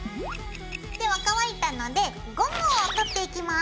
では乾いたのでゴムを取っていきます。